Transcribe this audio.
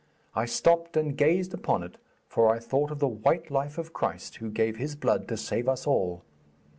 I stopped and gazed upon it, for I thought of the white life of Christ who gave His blood to save us all.